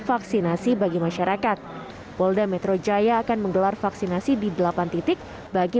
vaksinasi bagi masyarakat polda metro jaya akan menggelar vaksinasi di delapan titik bagi